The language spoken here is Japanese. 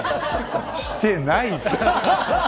してない。